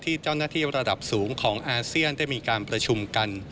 ที่เจ้าหน้าที่ระดับสูงของอาเซียนได้มีการประชุมกัน